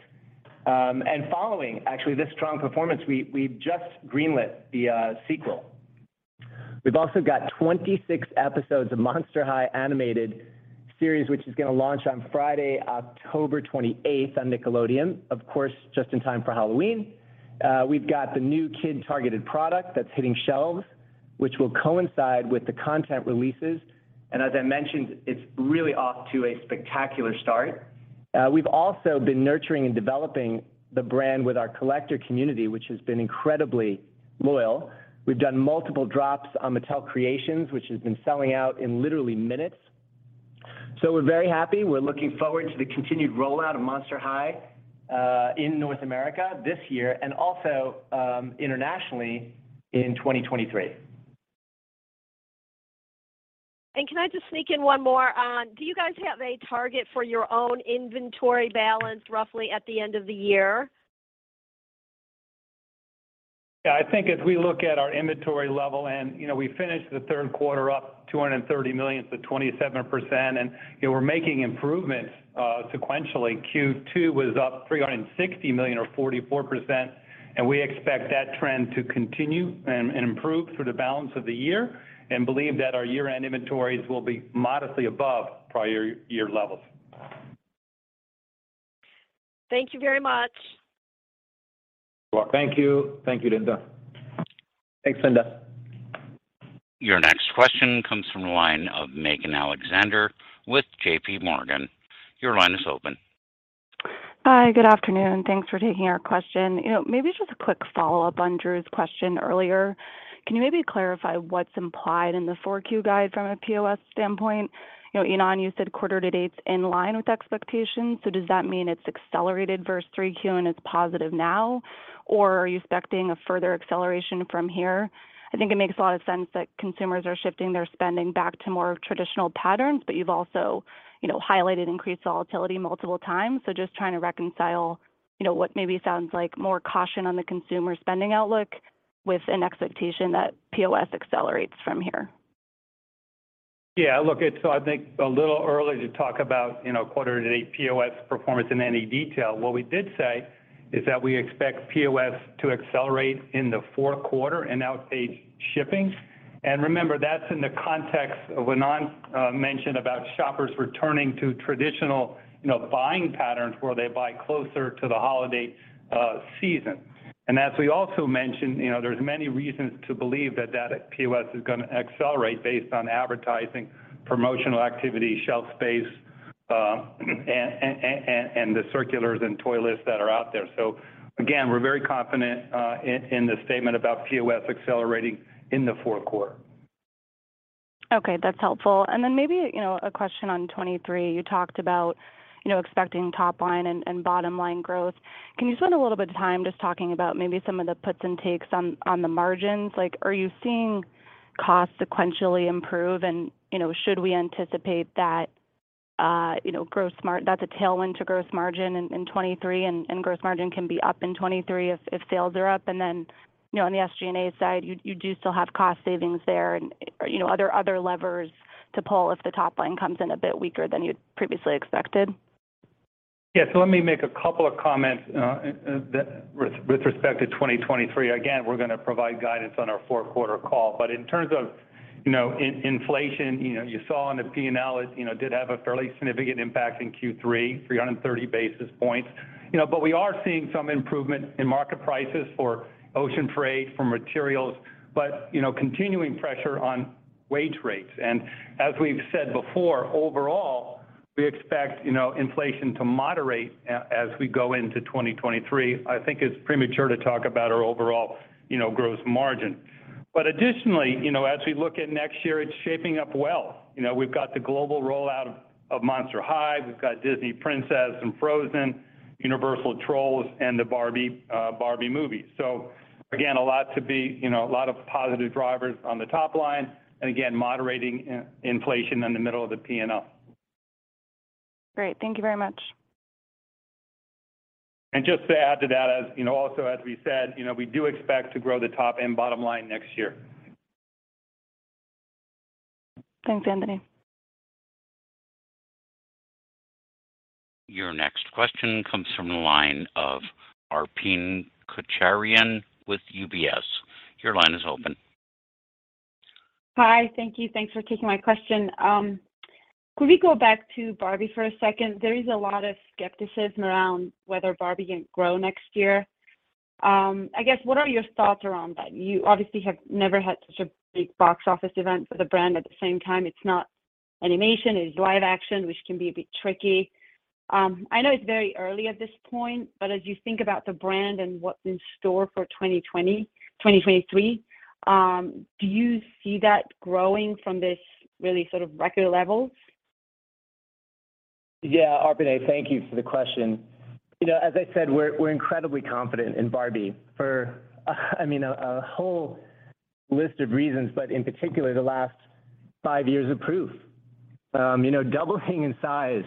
Following actually this strong performance, we've just greenlit the sequel. We've also got 26 episodes of Monster High animated series, which is gonna launch on Friday, October 28 on Nickelodeon. Of course, just in time for Halloween. We've got the new kid targeted product that's hitting shelves, which will coincide with the content releases. As I mentioned, it's really off to a spectacular start. We've also been nurturing and developing the brand with our collector community, which has been incredibly loyal. We've done multiple drops on Mattel Creations, which has been selling out in literally minutes. We're very happy. We're looking forward to the continued rollout of Monster High in North America this year and also internationally in 2023. Can I just sneak in one more? Do you guys have a target for your own inventory balance roughly at the end of the year? Yeah, I think as we look at our inventory level and, you know, we finished the third quarter up $230 million to 27%, and, you know, we're making improvements sequentially. Q2 was up $360 million or 44%, and we expect that trend to continue and improve through the balance of the year and believe that our year-end inventories will be modestly above prior year levels. Thank you very much. You're welcome. Thank you. Thank you, Linda. Thanks, Linda. Your next question comes from the line of Megan Alexander with JPMorgan. Your line is open. Hi, good afternoon. Thanks for taking our question. You know, maybe just a quick follow-up on Drew's question earlier. Can you maybe clarify what's implied in the 4Q guide from a POS standpoint? You know, Ynon, you said quarter to date's in line with expectations, so does that mean it's accelerated versus 3Q and it's positive now, or are you expecting a further acceleration from here? I think it makes a lot of sense that consumers are shifting their spending back to more traditional patterns, but you've also, you know, highlighted increased volatility multiple times. Just trying to reconcile, you know, what maybe sounds like more caution on the consumer spending outlook with an expectation that POS accelerates from here. Yeah, look, it's I think a little early to talk about, you know, quarter to date POS performance in any detail. What we did say is that we expect POS to accelerate in the fourth quarter and outpace shipping. Remember, that's in the context of what Ynon mentioned about shoppers returning to traditional, you know, buying patterns where they buy closer to the holiday season. And as we also mentioned, you know, there's many reasons to believe that POS is gonna accelerate based on advertising, promotional activity, shelf space, and the circulars and toy lists that are out there. Again, we're very confident in the statement about POS accelerating in the fourth quarter. Okay, that's helpful. Maybe, you know, a question on 2023. You talked about, you know, expecting top line and bottom line growth. Can you spend a little bit of time just talking about maybe some of the puts and takes on the margins? Like, are you seeing costs sequentially improve and, you know, should we anticipate that gross margin that's a tailwind to gross margin in 2023 and gross margin can be up in 2023 if sales are up? You know, on the SG&A side, you do still have cost savings there and, you know, other levers to pull if the top line comes in a bit weaker than you'd previously expected. Yeah. Let me make a couple of comments with respect to 2023. Again, we're gonna provide guidance on our fourth quarter call. In terms of, you know, inflation, you know, you saw in the P&L it did have a fairly significant impact in Q3, 330 basis points. You know, we are seeing some improvement in market prices for ocean freight, for materials, you know, continuing pressure on wage rates. As we've said before, overall, we expect, you know, inflation to moderate as we go into 2023. I think it's premature to talk about our overall, you know, gross margin. Additionally, you know, as we look at next year, it's shaping up well. You know, we've got the global rollout of Monster High. We've got Disney Princess and Frozen, Universal Trolls, and the Barbie movie. Again, a lot to be, you know, a lot of positive drivers on the top line and again, moderating inflation in the middle of the P&L. Great. Thank you very much. Just to add to that, as you know, also, as we said, you know, we do expect to grow the top and bottom line next year. Thanks, Anthony. Your next question comes from the line of Arpine Kocharian with UBS. Your line is open. Hi. Thank you. Thanks for taking my question. Could we go back to Barbie for a second? There is a lot of skepticism around whether Barbie can grow next year. I guess, what are your thoughts around that? You obviously have never had such a big box office event for the brand. At the same time, it's not animation, it's live action, which can be a bit tricky. I know it's very early at this point, but as you think about the brand and what's in store for 2023, do you see that growing from this really sort of record levels? Yeah, Arpine, thank you for the question. You know, as I said, we're incredibly confident in Barbie for, I mean, a whole list of reasons, but in particular, the last five years of proof. You know, doubling in size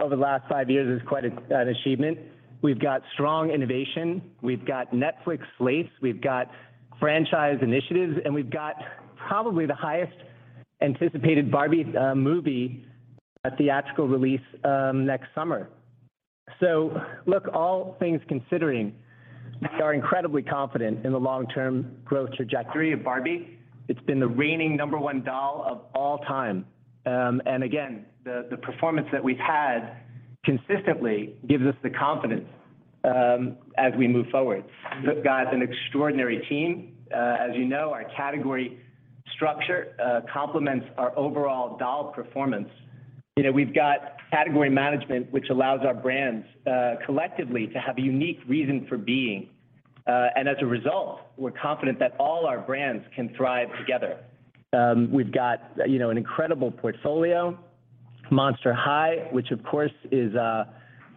over the last five years is quite an achievement. We've got strong innovation. We've got Netflix slates. We've got franchise initiatives, and we've got probably the highest anticipated Barbie movie theatrical release next summer. Look, all things considered, we are incredibly confident in the long-term growth trajectory of Barbie. It's been the reigning number one doll of all time. Again, the performance that we've had consistently gives us the confidence as we move forward. We've got an extraordinary team. As you know, our category structure complements our overall doll performance. You know, we've got category management, which allows our brands collectively to have a unique reason for being. As a result, we're confident that all our brands can thrive together. We've got, you know, an incredible portfolio, Monster High, which of course is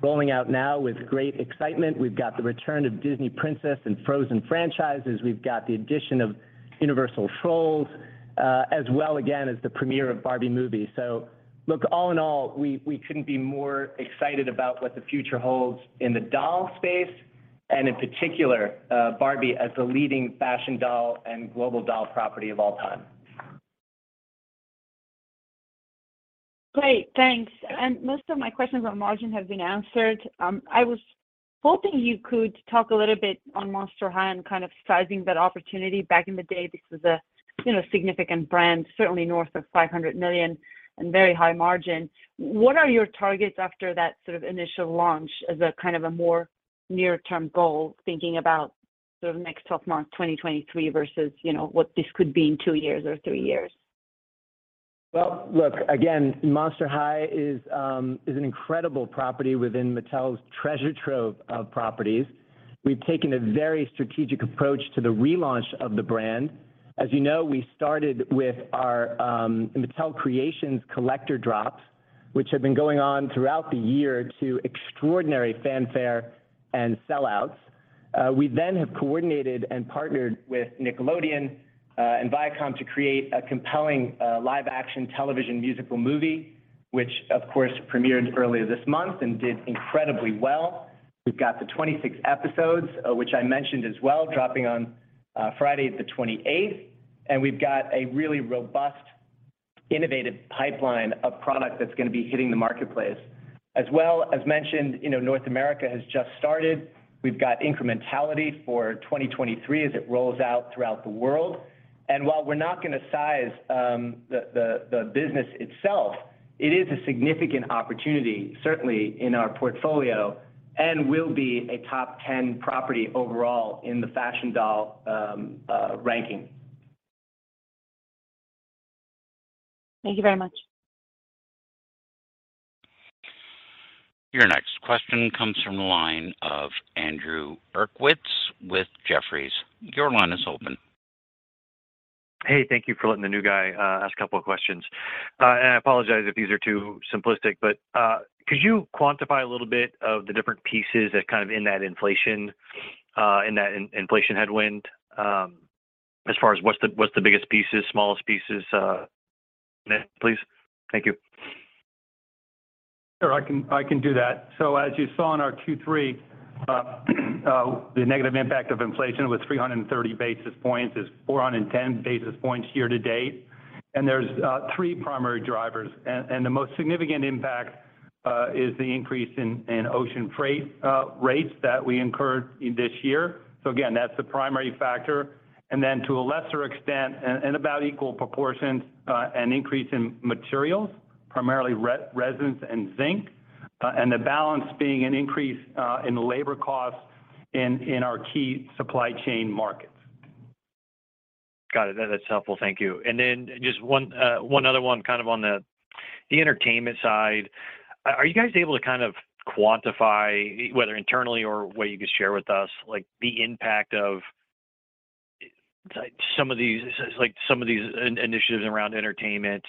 rolling out now with great excitement. We've got the return of Disney Princess and Frozen franchises. We've got the addition of Universal Trolls, as well, again, as the premiere of Barbie movie. Look, all in all, we couldn't be more excited about what the future holds in the doll space and in particular, Barbie as the leading fashion doll and global doll property of all time. Great. Thanks. Most of my questions on margin have been answered. I was hoping you could talk a little bit on Monster High and kind of sizing that opportunity back in the day. This was a, you know, significant brand, certainly north of $500 million and very high margin. What are your targets after that sort of initial launch as a kind of a more near-term goal, thinking about sort of next twelve months, 2023 versus, you know, what this could be in two years or three years? Well, look, again, Monster High is an incredible property within Mattel's treasure trove of properties. We've taken a very strategic approach to the relaunch of the brand. As you know, we started with our Mattel Creations collector drops, which have been going on throughout the year to extraordinary fanfare and sellouts. We then have coordinated and partnered with Nickelodeon and Viacom to create a compelling live action television musical movie, which of course premiered earlier this month and did incredibly well. We've got the 26 episodes, which I mentioned as well, dropping on Friday the 28th. We've got a really robust, innovative pipeline of product that's gonna be hitting the marketplace. As well, as mentioned, you know, North America has just started. We've got incrementality for 2023 as it rolls out throughout the world. While we're not gonna size the business itself, it is a significant opportunity, certainly in our portfolio and will be a top 10 property overall in the fashion doll ranking. Thank you very much. Your next question comes from the line of Andrew Uerkwitz with Jefferies. Your line is open. Hey, thank you for letting the new guy ask a couple of questions. I apologize if these are too simplistic, but could you quantify a little bit of the different pieces that kind of in that inflation headwind, as far as what's the biggest pieces, smallest pieces, please? Thank you. Sure. I can do that. As you saw in our 2023, the negative impact of inflation was 330 basis points is 410 basis points year to date. There's three primary drivers. The most significant impact is the increase in ocean freight rates that we incurred in this year. Again, that's the primary factor. Then to a lesser extent and about equal proportions, an increase in materials, primarily resins and zinc, and the balance being an increase in labor costs in our key supply chain markets. Got it. That's helpful. Thank you. Just one other one kind of on the entertainment side. Are you guys able to kind of quantify whether internally or what you could share with us, like the impact of some of these initiatives around entertainment?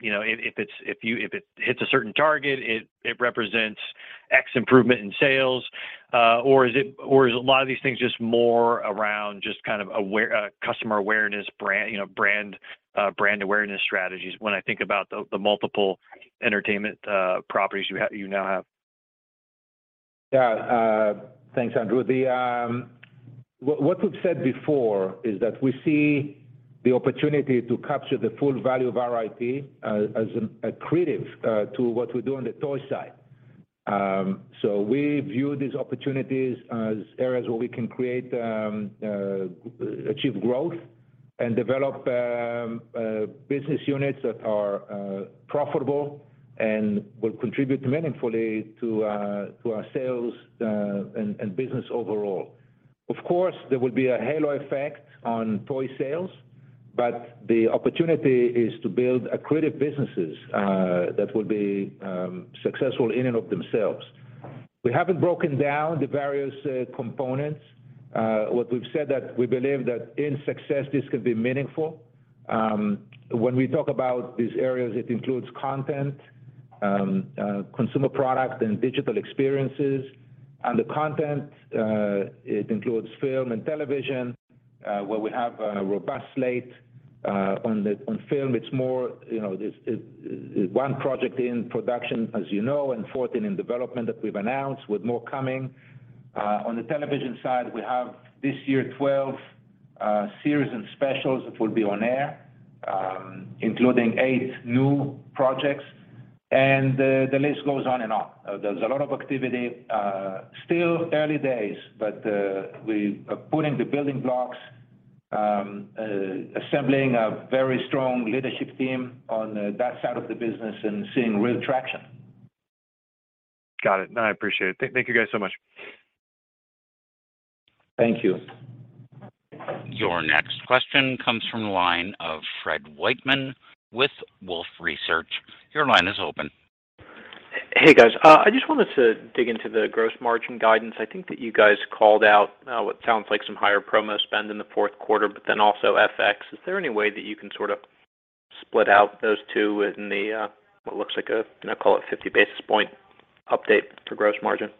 You know, if it hits a certain target, it represents X improvement in sales, or is it, or is a lot of these things just more around just kind of customer awareness brand, you know, brand awareness strategies when I think about the multiple entertainment properties you now have? Yeah. Thanks, Andrew. What we've said before is that we see the opportunity to capture the full value of our IP as accretive to what we do on the toy side. We view these opportunities as areas where we can achieve growth and develop business units that are profitable and will contribute meaningfully to our sales and business overall. Of course, there will be a halo effect on toy sales, but the opportunity is to build accretive businesses that will be successful in and of themselves. We haven't broken down the various components. What we've said that we believe in success, this could be meaningful. When we talk about these areas, it includes content, consumer product and digital experiences. The content, it includes film and television, where we have a robust slate. On film, it's more, you know, one project in production as you know, and four in development that we've announced with more coming. On the television side, we have this year 12 series and specials that will be on air, including eight new projects, and the list goes on and on. There's a lot of activity, still early days, but we are putting the building blocks, assembling a very strong leadership team on that side of the business and seeing real traction. Got it. No, I appreciate it. Thank you guys so much. Thank you. Your next question comes from the line of Fred Wightman with Wolfe Research. Your line is open. Hey guys. I just wanted to dig into the gross margin guidance. I think that you guys called out what sounds like some higher promo spend in the fourth quarter, but then also FX. Is there any way that you can sort of split out those two in the, what looks like a, I'm gonna call it 50 basis point update for gross margin?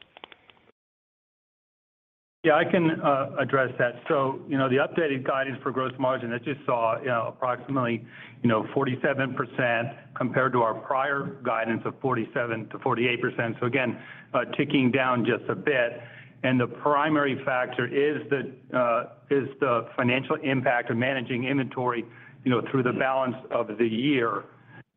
Yeah, I can address that. You know, the updated guidance for gross margin that you saw, you know, approximately, you know, 47% compared to our prior guidance of 47%-48%. Again, ticking down just a bit. The primary factor is the financial impact of managing inventory, you know, through the balance of the year.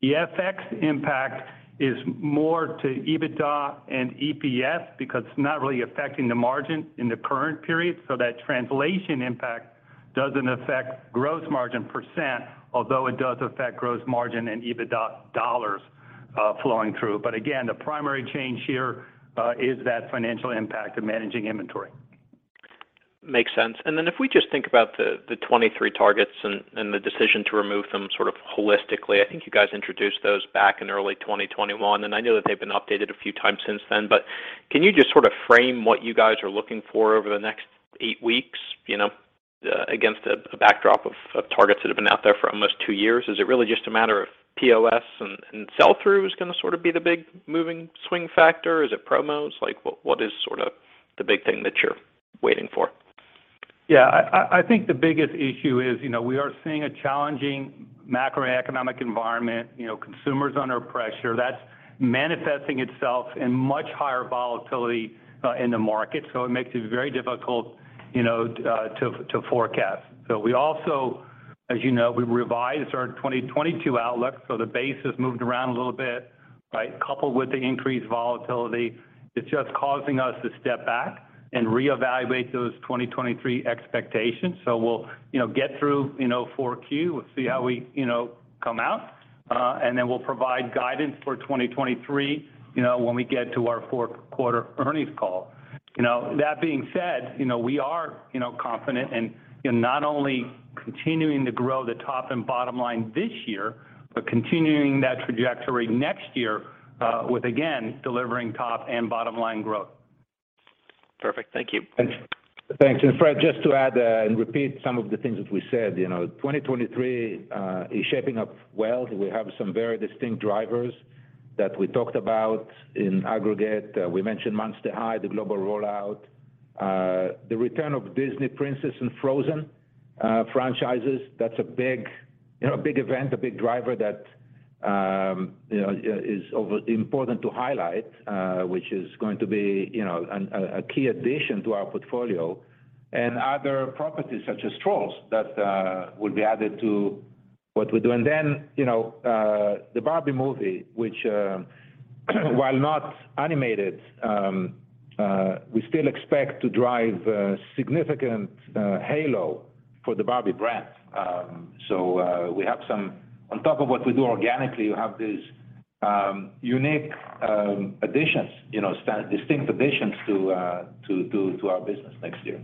The FX impact is more to EBITDA and EPS because it's not really affecting the margin in the current period, so that translation impact doesn't affect gross margin percent, although it does affect gross margin and EBITDA dollars flowing through. Again, the primary change here is that financial impact of managing inventory. Makes sense. If we just think about the 23 targets and the decision to remove them sort of holistically, I think you guys introduced those back in early 2021, and I know that they've been updated a few times since then. Can you just sort of frame what you guys are looking for over the next eight weeks, you know, against a backdrop of targets that have been out there for almost two years? Is it really just a matter of POS and sell-through is gonna sort of be the big moving swing factor? Is it promos? Like what is sort of the big thing that you're waiting for? Yeah, I think the biggest issue is, you know, we are seeing a challenging macroeconomic environment. You know, consumers under pressure, that's manifesting itself in much higher volatility in the market. It makes it very difficult, you know, to forecast. We also, as you know, we revised our 2022 outlook, so the base has moved around a little bit, right? Coupled with the increased volatility, it's just causing us to step back and reevaluate those 2023 expectations. We'll, you know, get through, you know, Q4, we'll see how we, you know, come out, and then we'll provide guidance for 2023, you know, when we get to our fourth quarter earnings call. You know, that being said, you know, we are, you know, confident and, you know, not only continuing to grow the top and bottom line this year, but continuing that trajectory next year, with again, delivering top and bottom line growth. Perfect. Thank you. Thanks. Thanks. Fred, just to add and repeat some of the things that we said, you know, 2023 is shaping up well. We have some very distinct drivers that we talked about in aggregate. We mentioned Monster High, the global rollout, the return of Disney Princess and Frozen franchises. That's a big, you know, a big event, a big driver that, you know, is important to highlight, which is going to be, you know, a key addition to our portfolio and other properties such as Trolls that will be added to what we're doing. You know, the Barbie movie, which, while not animated, we still expect to drive significant halo for the Barbie brand. We have some. On top of what we do organically, we have these unique additions, you know, distinct additions to our business next year.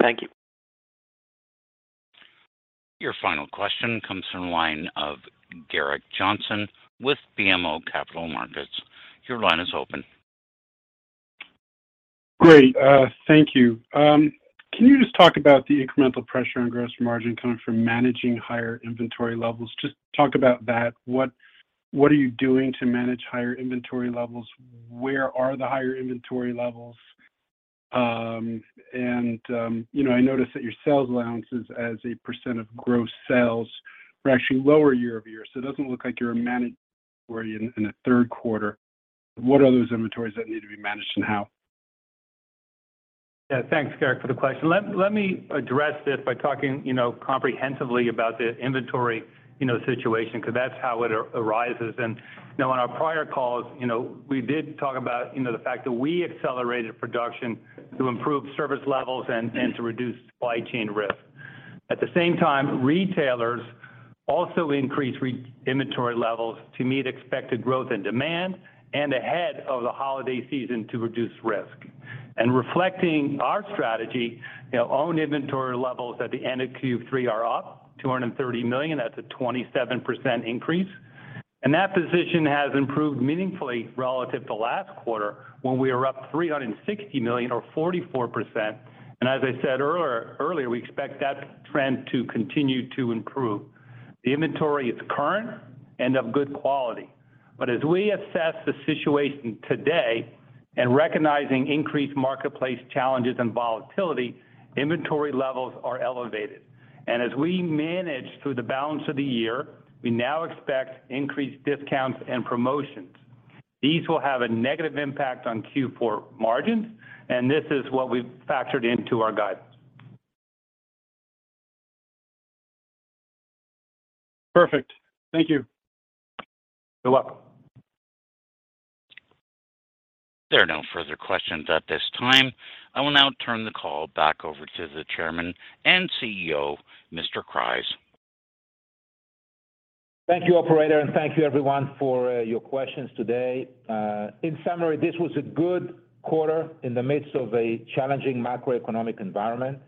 Thank you. Your final question comes from the line of Gerrick Johnson with BMO Capital Markets. Your line is open. Great. Thank you. Can you just talk about the incremental pressure on gross margin coming from managing higher inventory levels? Just talk about that. What are you doing to manage higher inventory levels? Where are the higher inventory levels? You know, I noticed that your sales allowances as a percent of gross sales were actually lower year-over-year, so it doesn't look like you're managing in the third quarter. What are those inventories that need to be managed and how? Yeah. Thanks, Gerrick, for the question. Let me address this by talking, you know, comprehensively about the inventory, you know, situation, 'cause that's how it arises. You know, on our prior calls, you know, we did talk about, you know, the fact that we accelerated production to improve service levels and to reduce supply chain risk. At the same time, retailers also increased re-inventory levels to meet expected growth and demand and ahead of the holiday season to reduce risk. Reflecting our strategy, you know, own inventory levels at the end of Q3 are up $230 million. That's a 27% increase. That position has improved meaningfully relative to last quarter when we were up $360 million or 44%. As I said earlier, we expect that trend to continue to improve. The inventory is current and of good quality. As we assess the situation today and recognizing increased marketplace challenges and volatility, inventory levels are elevated. As we manage through the balance of the year, we now expect increased discounts and promotions. These will have a negative impact on Q4 margins, and this is what we've factored into our guidance. Perfect. Thank you. You're welcome. There are no further questions at this time. I will now turn the call back over to the Chairman and CEO, Mr. Kreiz. Thank you, operator, and thank you everyone for your questions today. In summary, this was a good quarter in the midst of a challenging macroeconomic environment.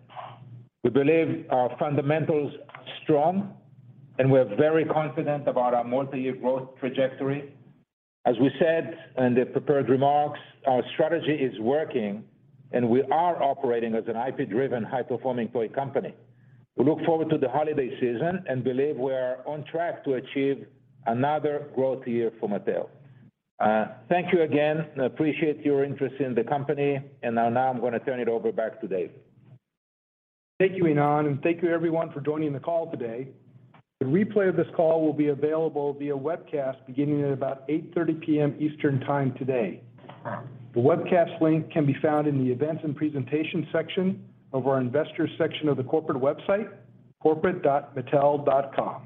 We believe our fundamentals are strong, and we're very confident about our multi-year growth trajectory. As we said in the prepared remarks, our strategy is working, and we are operating as an IP-driven, high-performing toy company. We look forward to the holiday season and believe we're on track to achieve another growth year for Mattel. Thank you again and appreciate your interest in the company. Now I'm gonna turn it over back to Dave. Thank you, Ynon, and thank you everyone for joining the call today. The replay of this call will be available via webcast beginning at about 8:30 P.M. Eastern Time today. The webcast link can be found in the Events and Presentation section of our Investors section of the corporate website, corporate.mattel.com.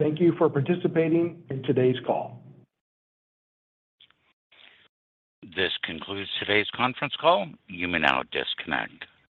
Thank you for participating in today's call. This concludes today's conference call. You may now disconnect.